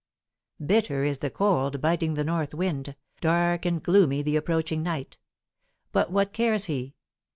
Bitter is the cold, biting the north wind, dark and gloomy the approaching night; but what cares he?